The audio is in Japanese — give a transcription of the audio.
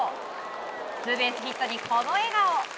ツーベースヒットに、この笑顔。